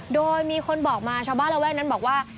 โดยมีคนบอกมาชาวบ้านระแวกนั้นบอกว่า